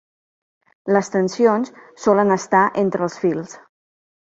Les tensions solen estar entre els fils.